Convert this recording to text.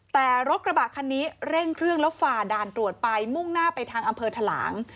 แต่รถกระบะคันนี้เร่งเครื่องแล้วฝ่าด่านตรวจไปมุ่งหน้าไปทางอำเภอทะหลาง